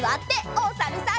おさるさん。